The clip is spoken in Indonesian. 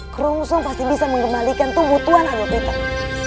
kerungsung pasti bisa mengembalikan tubuh tuhan adokpiter